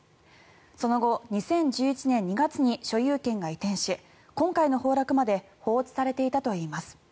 その後、２０１１年２月に所有権が移転し今回の崩落まで放置されていたといいます。